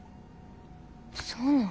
そうなん？